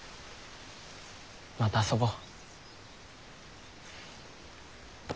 また遊ぼう。